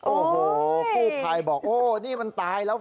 โอ้โหกู้ภัยบอกโอ้นี่มันตายแล้ว